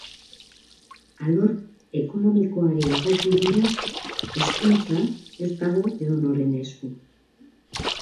Alor ekonomikoari dagokionez, hezkuntza ez dago edonoren esku.